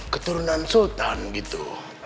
keturunan sultan gitu